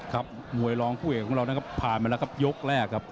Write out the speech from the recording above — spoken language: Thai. ครับมวยร้องผู้เอกของเรานักพันแล้วก็ยกแรกครับ